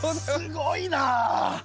すごいなあ。